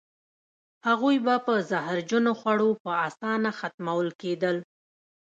هغوی به په زهرجنو خوړو په اسانه ختمول کېدل.